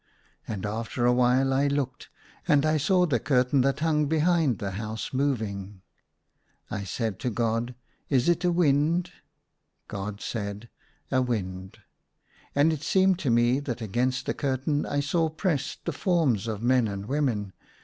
And after a while I looked, and I saw the curtain that hung behind the house moving. 1 said to God, " Is it a wind? " 144 THE SUNLIGHT LA Y God said, " A wind." And it seemed to me, that against the curtain I saw pressed the forms of men and women.